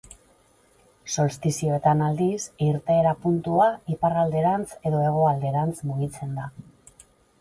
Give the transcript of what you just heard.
Solstizioetan, aldiz, irteera puntua iparralderantz edo hegoalderantz mugitzen da.